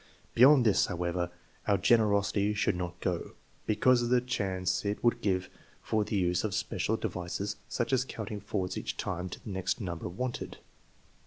Beyond this, however, our generosity should not go, because of the chance it would give for the use of special devices such as counting forwards each time to the next number wanted.